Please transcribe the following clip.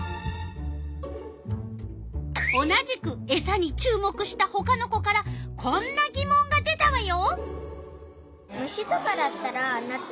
同じくエサに注目したほかの子からこんなぎもんが出たわよ。